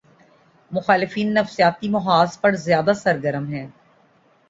مخالفین نفسیاتی محاذ پر زیادہ سرگرم ہیں۔